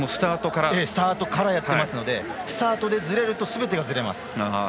スタートからやってますのでスタートでずれるとすべてがずれます。